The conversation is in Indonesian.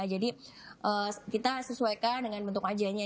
jadi kita sesuaikan dengan bentuk wajahnya